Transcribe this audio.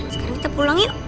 sekarang kita pulang yuk